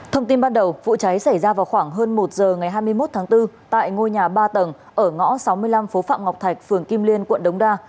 thông tin ban đầu vụ cháy xảy ra vào khoảng hơn một giờ ngày hai mươi một tháng bốn tại ngôi nhà ba tầng ở ngõ sáu mươi năm phố phạm ngọc thạch phường kim liên quận đống đa